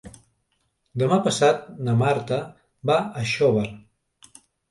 Demà passat na Marta va a Xóvar.